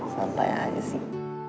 santai aja sih